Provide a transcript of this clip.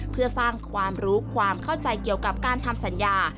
เพื่อสร้างความรู้ความเข้าใจเกี่ยวกับการทำสัญญา